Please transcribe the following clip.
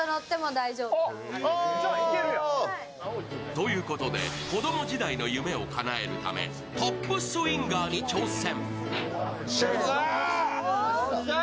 ということで、子供時代の夢をかなえるため、トップスインガーに挑戦。